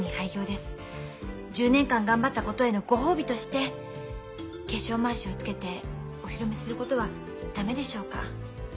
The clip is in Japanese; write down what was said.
１０年間頑張ったことへのご褒美として化粧まわしをつけてお披露目することは駄目でしょうか。